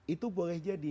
itu boleh jadi